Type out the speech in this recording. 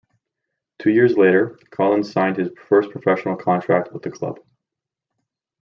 Two years later, Collins signed his first professional contract with the club.